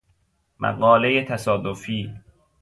مقالهٔ تصادفی